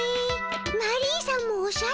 マリーさんもおしゃれ。